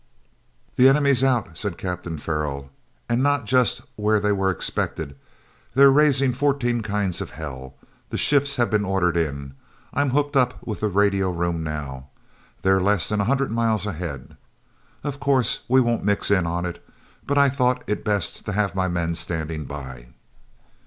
he enemy's out!" said Captain Farrell. "And not just where they were expected—they're raising fourteen kinds of hell. The ships have been ordered in. I'm hooked up with the radio room now. They're less than a hundred miles ahead. Of course we won't mix in on it, but I thought it best to have my men standing by."